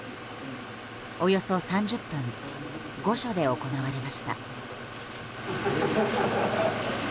およそ３０分御所で行われました。